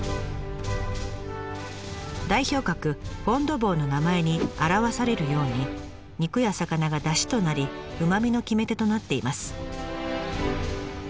代表格フォン・ド・ボーの名前に表されるように肉や魚がダシとなりうまみの決め手となっています。